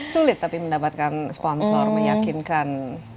sulit tapi mendapatkan sponsor meyakinkan